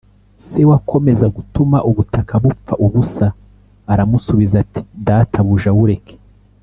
Se wakomeza gutuma ubutaka bupfa ubusa aramusubiza ati databuja wureke